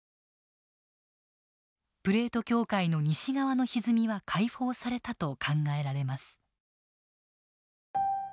プレート境界の西側のひずみは解放されたと考えられます。